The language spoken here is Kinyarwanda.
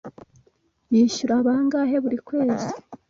Yishyura bangahe buri kwezi?